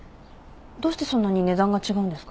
どうしてそんなに値段が違うんですか？